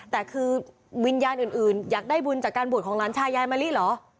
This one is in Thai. แต่คือวิญญาณอื่นอยากได้บุญจากการบวชของหลานชายยายมะลิเหรอ